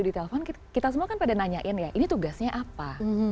di telepon kita semua kan pada nanyain ya ini tugasnya apa